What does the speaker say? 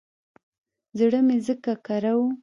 زړه مې ځکه کره و.